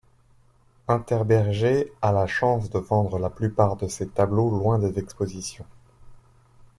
Unterberger a la chance de vendre la plupart de ses tableaux loin des expositions.